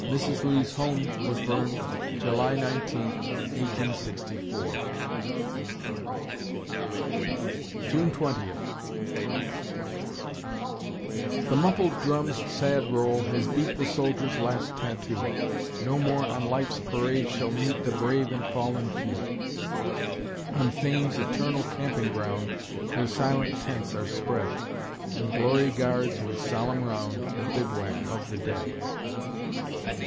Mrs. Lee's home was burned July 19, 1864] July Twentieth The muffled drum's sad roll has beat The soldier's last tattoo; No more on life's parade shall meet The brave and fallen few. On Fame's eternal camping ground Their silent tents are spread, And Glory guards, with solemn round, The bivouac of the dead.